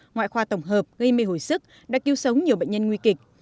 ngoại khoa tổng hợp gây mê hồi sức đã cứu sống nhiều bệnh nhân nguy kịch